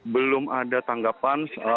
belum ada tanggapan